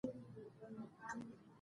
مور د کورنۍ غړو ته صحي څښاک ورکوي.